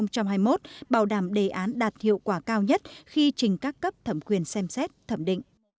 giai đoạn hai nghìn một mươi chín hai nghìn hai mươi một bảo đảm đề án đạt hiệu quả cao nhất khi trình các cấp thẩm quyền xem xét thẩm định